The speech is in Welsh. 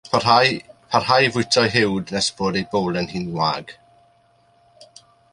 Parhau i fwyta'i huwd nes bod ei bowlen hi'n wag.